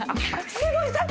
「すごい。